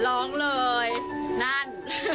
ร้องเลยนั่น